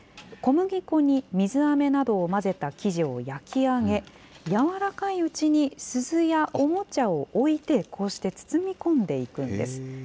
小麦粉に水あめなどを混ぜた生地を焼き上げ、軟らかいうちに鈴やおもちゃを置いて、こうして包み込んでいくんです。